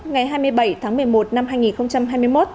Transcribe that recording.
ngày hai mươi bảy tháng một mươi một năm hai nghìn hai mươi một